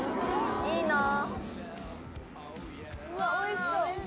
いいなぁ！